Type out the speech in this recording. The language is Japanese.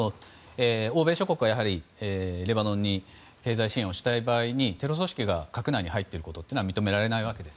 欧米諸国は、やはりレバノンに経済支援をしたい場合にテロ組織が閣内に入っていることは認められないわけです。